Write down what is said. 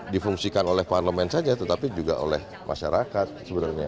difungsikan oleh parlemen saja tetapi juga oleh masyarakat sebenarnya